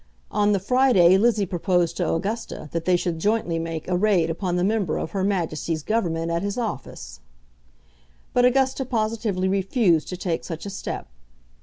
On the Friday Lizzie proposed to Augusta that they should jointly make a raid upon the member of Her Majesty's Government at his office; but Augusta positively refused to take such a step.